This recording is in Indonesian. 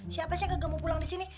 siapa sih yang gagal mau pulang di sini